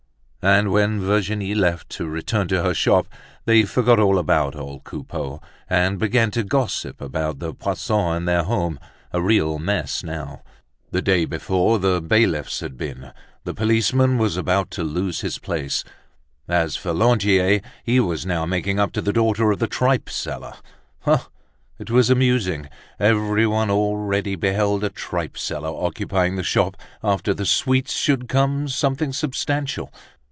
And when Virginie left to return to her shop, they forgot all about old Coupeau and began to gossip about the Poissons and their home, a real mess now. The day before, the bailiffs had been; the policeman was about to lose his place; as for Lantier, he was now making up to the daughter of the restaurant keeper next door, a fine woman, who talked of setting up as a tripe seller. Ah! it was amusing, everyone already beheld a tripe seller occupying the shop; after the sweets should come something substantial.